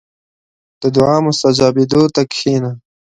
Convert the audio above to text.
• د دعا مستجابېدو ته کښېنه.